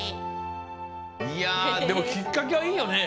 いやでもきっかけはいいよね。